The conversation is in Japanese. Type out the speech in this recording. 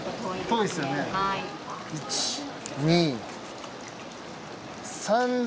１２。